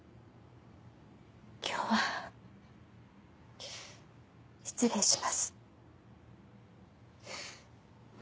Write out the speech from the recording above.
今日は失礼します。